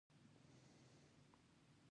ګومارونکو پرېښودل بهتره وي.